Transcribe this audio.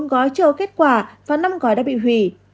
một mươi bốn gói chưa có kết quả và năm gói đã bị hủy